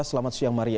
selamat siang maria